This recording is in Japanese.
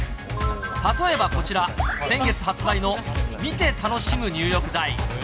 例えばこちら、先月発売の見て楽しむ入浴剤。